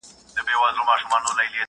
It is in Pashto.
لا هم پاڼي پاڼي اوړي دا زما د ژوند کتاب،